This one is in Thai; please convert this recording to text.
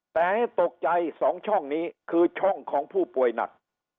แต่ให้ตกใจ๒ช่องนี้คือช่องของผู้ป่วยหนัก